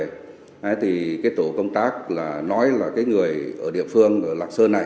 thế thì cái tổ công tác là nói là cái người ở địa phương ở lạc sơn này